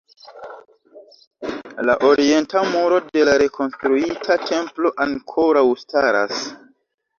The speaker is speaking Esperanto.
La Orienta Muro de la rekonstruita Templo ankoraŭ staras.